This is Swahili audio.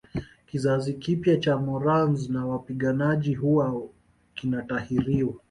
Kizazi kipya cha Morans na wapiganaji huwa kinatahiriwa